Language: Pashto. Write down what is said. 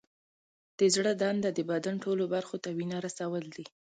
د زړه دنده د بدن ټولو برخو ته وینه رسول دي.